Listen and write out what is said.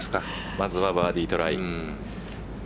まずはバーディートライ。